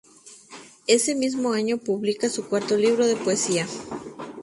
Ese mismo año publica su cuarto libro de poesía.